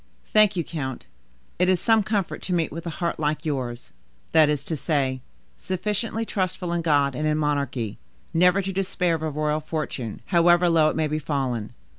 "Thank you, count: it is some comfort to meet with a heart like yours; that is to say, sufficiently trustful in God and in monarchy, never to despair of a royal fortune, however low it may be fallen.